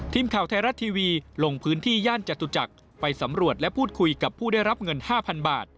ทีมข่าวไทยรัฐทีวีลงพื้นที่ย่านจตุจักรไปสำรวจและพูดคุยกับผู้ได้รับเงิน๕๐๐บาท